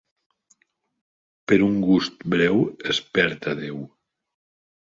Per un gust breu es perd a Déu.